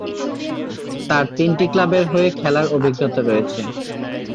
তার তিনটি ক্লাবের হয়ে খেলার অভিজ্ঞতা রয়েছে।